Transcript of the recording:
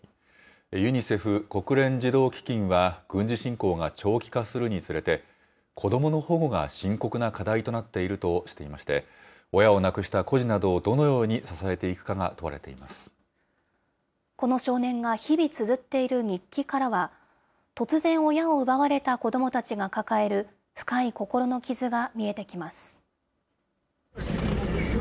ユニセフ・国連児童基金は、軍事侵攻が長期化するにつれて、子どもの保護が深刻な課題となっているとしていまして、親を亡くした孤児などをどのように支えていくかが問われていこの少年が日々つづっている日記からは、突然親を奪われた子どもたちが抱える、深い心の傷が見えてきます。